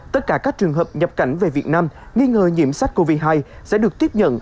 tất cả các trường hợp nhập cảnh về việt nam nghi ngờ nhiễm sắc covid một mươi chín sẽ được tiếp nhận